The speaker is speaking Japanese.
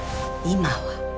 今は？